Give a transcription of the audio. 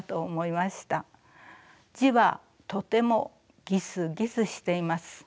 字はとてもギスギスしています。